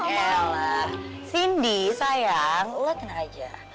elah cindy sayang lo kena aja